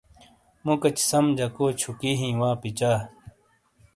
مُو کچی سم جکو چھُکی ہِیں وا پچا ۔